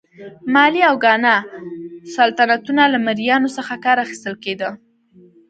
مالي او ګانا سلطنتونه له مریانو څخه کار اخیستل کېده.